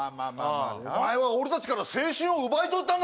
お前は俺たちから青春を奪い取ったんだ。